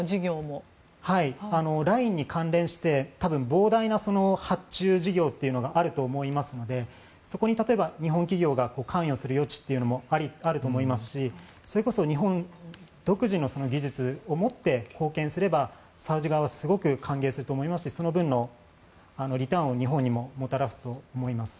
ザ・ラインに関連して膨大な発注事業というのがあると思いますのでそこに例えば日本企業が関与する余地というのもあると思いますしそれこそ日本独自の技術を持って貢献すればサウジ側は歓迎すると思いますしその分のリターンを日本にももたらすと思います。